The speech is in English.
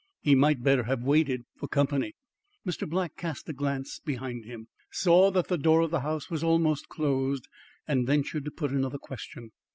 He might better have waited for company." Mr. Black cast a glance behind him, saw that the door of the house was almost closed and ventured to put another question.